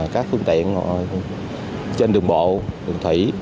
các phương tiện trên đường bộ đường thủy